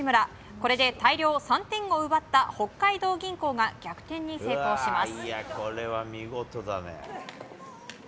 これで大量３点を奪った北海道銀行が逆転に成功します。